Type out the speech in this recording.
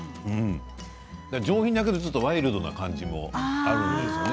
上品だけどちょっとワイルドな感じもあるんですね。